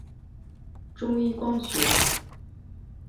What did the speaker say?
中一光学。